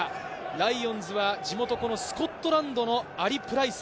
ライオンズは地元スコットランドのアリ・プライス。